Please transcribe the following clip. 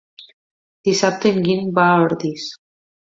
Dissabte en Guim va a Ordis.